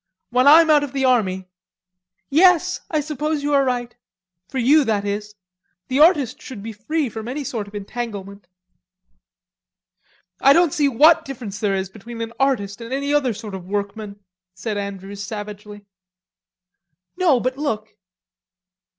When I'm out of the army!..." "Yes, I suppose you are right... for you that is. The artist should be free from any sort of entanglement." "I don't see what difference there is between an artist and any other sort of workman," said Andrews savagely. "No, but look."